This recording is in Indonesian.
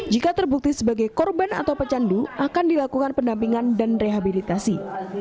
jika terbukti sebagai korban atau pecandu akan dilakukan pendampingan dan rehabilitasi